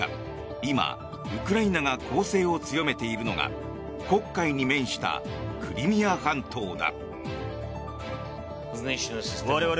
今、ウクライナが攻勢を強めているのが黒海に面したクリミア半島だ。